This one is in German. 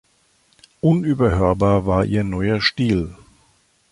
Unüberhörbar war ihr neuer Stil.